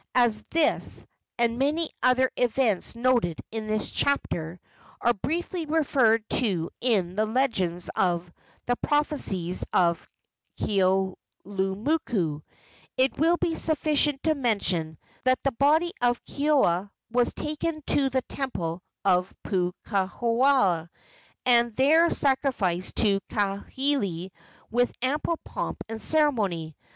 As this, and many other events noted in this chapter, are briefly referred to in the legend of "The Prophecies of Keaulumoku," it will be sufficient to mention that the body of Keoua was taken to the temple of Puukohola, and there sacrificed to Kaili with ample pomp and ceremony.